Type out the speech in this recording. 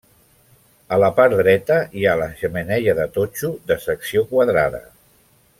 A la part dreta hi ha la xemeneia de totxo de secció quadrada.